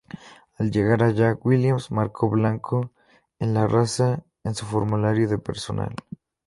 Al llegar allá, Williams marcó "blanco" en la raza en su formulario de personal.